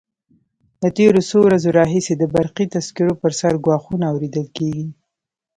له تېرو څو ورځو راهیسې د برقي تذکرو پر سر ګواښونه اورېدل کېږي.